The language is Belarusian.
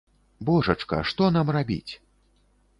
Божачка, што нам рабіць?